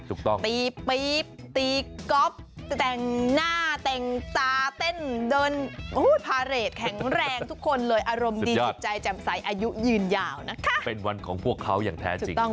ตีปี๊บตีก๊อฟแต่งหน้าแต่งตาเต้นเดินพาเรทแข็งแรงทุกคนเลยอารมณ์ดีจิตใจจำใสอายุยืนยาวนะคะเป็นวันของพวกเขาอย่างแท้จริง